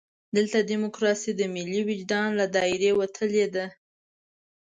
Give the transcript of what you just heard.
دلته ډیموکراسي د ملي وجدان له دایرې وتلې ده.